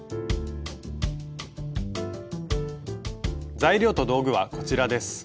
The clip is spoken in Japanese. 材料と道具はこちらです。